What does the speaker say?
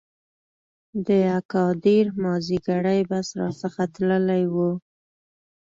د اګادیر مازیګری بس را څخه تللی و.